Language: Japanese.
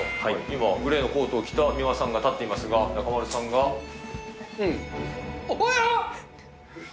今、グレーのコートを着た稲見さんが立っていますが、中丸さんが。え？